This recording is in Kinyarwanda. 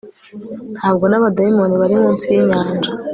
Ntabwo nabadayimoni bari munsi yinyanja